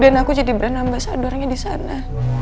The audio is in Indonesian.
dan aku jadi beran ambasadornya disana